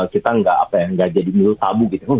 kita nggak jadi milu tabu gitu